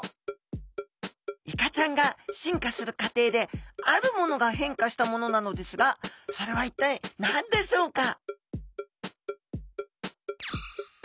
イカちゃんが進化する過程であるものが変化したものなのですがそれは一体何でしょうか？